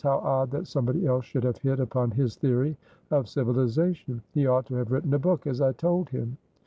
How odd that somebody else should have hit upon his theory of civilisation! He ought to have written a book, as I told him."